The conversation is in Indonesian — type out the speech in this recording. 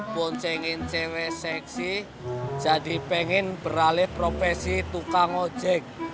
boncengin cewek seksi jadi pengen beralih profesi tukang ojek